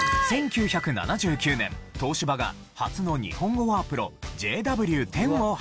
１９７９年東芝が初の日本語ワープロＪＷ−１０を発売。